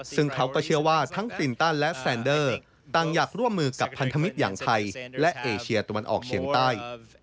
ซึ่งเขาก็เชื่อว่าทั้งคลินตันและแซนเดอร์ต่างอยากร่วมมือกับพันธมิตรอย่างไทยและเอเชียตะวันออกเฉียงใต้